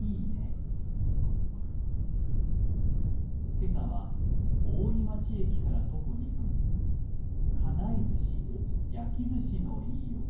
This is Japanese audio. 今朝は大井町駅から徒歩２分、金井寿司、焼きずしのいい音。